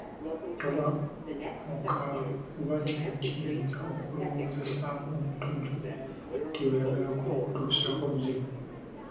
Tobbamuka kuba kino kiyinza okulowoozesa omutujju nti oyagala kumutusaako buzibu.